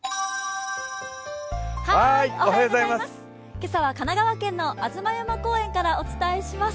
今朝は神奈川県の吾妻山公園からお伝えします。